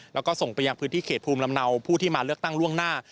แล้วก็ส่งไปยังพื้นที่เขตภูมิลำเนาผู้ที่มาเลือกตั้งล่วงหน้า